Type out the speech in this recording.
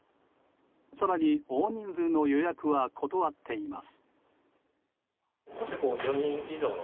更に大人数の予約は断っています。